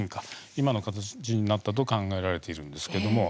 今の形になったと考えられているんですけれども。